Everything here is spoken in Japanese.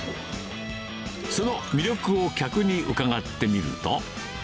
その魅力を客に伺ってみると。